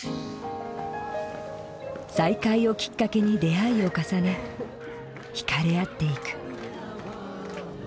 再会をきっかけに出会いを重ね引かれ合っていく。